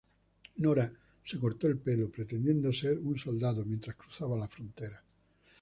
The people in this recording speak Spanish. Nora se cortó el pelo pretendiendo ser un soldado mientras cruzaba la frontera.